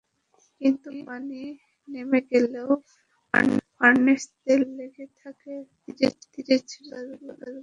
কিন্তু পানি নেমে গেলেও ফার্নেস তেল লেগে থাকে তীরের ছোট ছোট গাছগুলোতে।